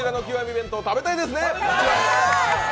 弁当食べたいですね？